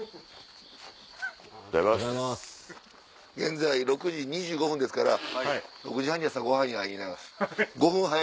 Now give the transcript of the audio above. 現在６時２５分ですから６時半に朝ごはんや！